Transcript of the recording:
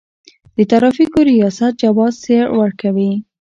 د ترافیکو ریاست جواز سیر ورکوي